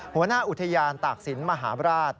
หัวหน้าอุทยานตากศิลป์มหาบราช